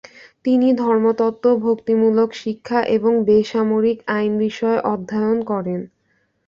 তিনি ধর্মতত্ত্ব, ভক্তিমূলক শিক্ষা এবং বেসামরিক আইন বিষয়ে অধ্যয়ন করেন।